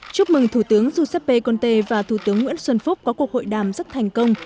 chúc mừng thủ tướng giuseppe conte và thủ tướng nguyễn xuân phúc có cuộc hội đàm rất thành công